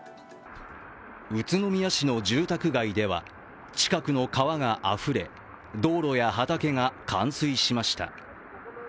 宇都宮市の住宅街では近くの川があふれ、道路や畑が冠水しました。